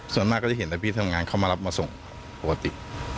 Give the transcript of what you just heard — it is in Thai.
ส่วนมากก็จะเห็นแต่พี่ทำงานเข้ามารับมาส่งปกติ